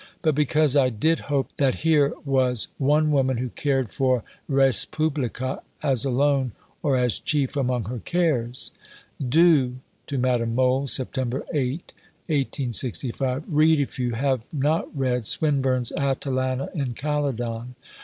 But because I did hope that here was one woman who cared for respublica as alone, or as chief, among her cares." "Do" (to Madame Mohl, Sept. 8, 1865), "read if you have not read Swinburne's Atalanta in Calydon.